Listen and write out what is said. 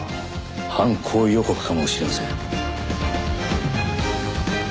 犯行予告かもしれません。